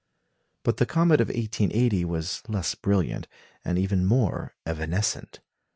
But the comet of 1880 was less brilliant, and even more evanescent.